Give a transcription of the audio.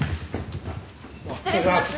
失礼します。